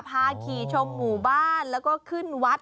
พาขี่ชมหมู่บ้านแล้วก็ขึ้นวัด